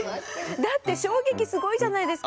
だって衝撃すごいじゃないですか。